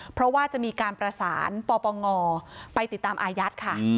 เพราะว่าจะมีการประสานปปงไปติดตามอายัดค่ะ